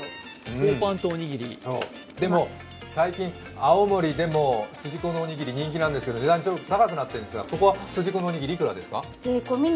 でも最近、青森でも筋子のおにぎり人気なんですけど値段がちょっと高くなっているんですが、ここは筋子のおにぎりいくらですか？